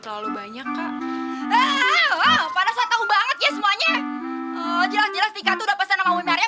terlalu banyak ya kan ada sent batter banget aware semuanya hitung hirung jalan pria sudah percaya